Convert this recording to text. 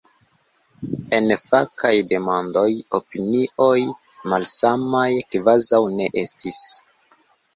En fakaj demandoj opinioj malsamaj kvazaŭ ne estis.